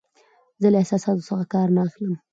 زه له احساساتو څخه کار نه اخلم.